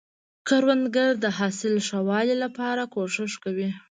کروندګر د حاصل ښه والي لپاره کوښښ کوي